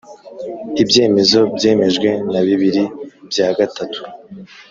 Ibyemezo byemejwe na bibiri bya gatatu